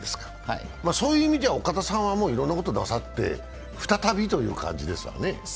そういう意味では岡田さんはいろんなことをなさって再びという感じですね。